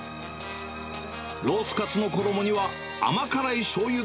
ロースカツの衣には甘辛いしょうゆ